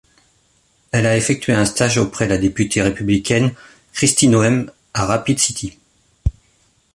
Elle a effectué un stage auprès la députée républicaine Kristi Noem à Rapid City.